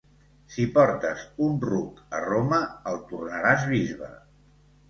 Si portes un ruc a Roma, el tornaràs bisbe.